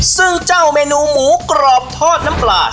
ซึ่งเจ้าเมนูหมูกรอบทอดน้ำปลา